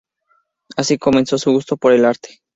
Así comenzó su gusto por el arte.